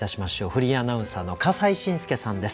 フリーアナウンサーの笠井信輔さんです。